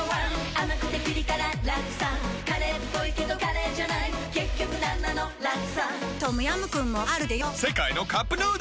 甘くてピリ辛ラクサカレーっぽいけどカレーじゃない結局なんなのラクサトムヤムクンもあるでヨ世界のカップヌードル